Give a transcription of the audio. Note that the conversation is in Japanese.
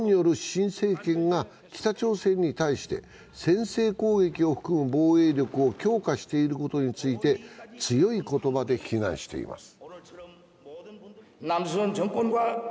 新政権が北朝鮮に対して先制攻撃を含む防衛力を強化していることについて強い言葉で非難しています。